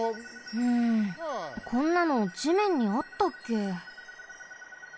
うんこんなの地面にあったっけ？